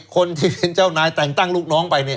คนที่เป็นเจ้านายแต่งตั้งลูกน้องไปเนี่ย